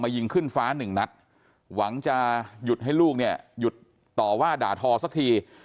ยิงขึ้นฟ้าหนึ่งนัดหวังจะหยุดให้ลูกเนี่ยหยุดต่อว่าด่าทอสักที